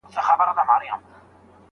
- عبدالوهاب صافی، ليکوال او خبريال.